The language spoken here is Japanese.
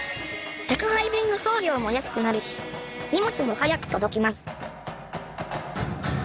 宅配便の送料も安くなるし荷物も早く届きます